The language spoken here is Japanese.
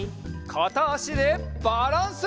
かたあしでバランス！